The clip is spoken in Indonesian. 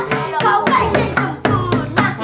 kau kain yang sempurna